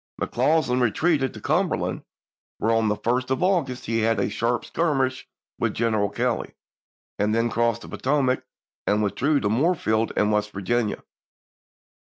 McCausland retreated to Cum 186*. berland, where on the 1st of August he had a sharp skirmish with General Kelley, and then crossed the Potomac and withdrew to Moorefield in Western Virginia.